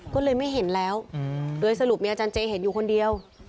ก็เลยไม่เห็นแล้วโดยสรุปมีอาจารย์เจเห็นอยู่คนเดียว